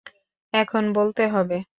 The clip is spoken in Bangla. এখন বলতে হবে?